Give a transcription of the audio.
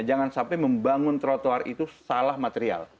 jangan sampai membangun trotoar itu salah material